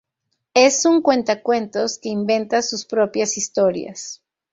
Es un cuentacuentos, que inventa sus propias historias.